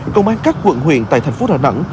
công an các quận huyện tại thành phố đà nẵng